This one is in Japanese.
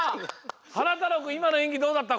はなたろうくんいまのえんぎどうだった？